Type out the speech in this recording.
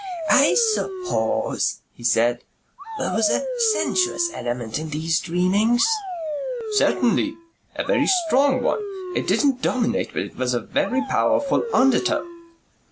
"I suppose," he said, "there was a sensuous element in these dreamings?" "Certainly. A very strong one. It didn't dominate but it was a very powerful undertow."